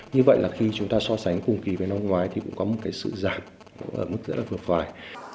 như vậy là khi chúng ta so sánh cùng kỳ với năm ngoái thì cũng có một cái sự giảm ở mức rất là vượt vài